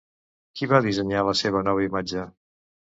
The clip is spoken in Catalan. Qui va dissenyar la seva nova imatge?